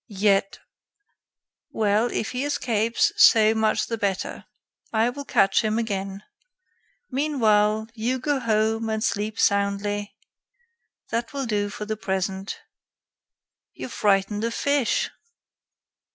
"Yet " "Well, if he escapes, so much the better. I will catch him again. Meanwhile, you go home and sleep soundly. That will do for the present. You frighten the fish."